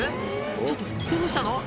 ちょっとどうしたの？